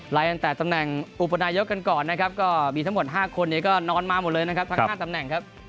ตั้งแต่ตำแหน่งอุปนายกกันก่อนนะครับก็มีทั้งหมด๕คนเนี่ยก็นอนมาหมดเลยนะครับทั้ง๕ตำแหน่งครับ